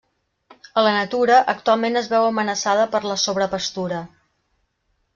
A la natura, actualment es veu amenaçada per la sobrepastura.